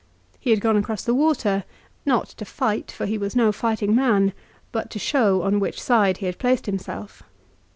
He had gone across the water, not to fight, for he was no fighting man ; but to show on which side he had placed himself.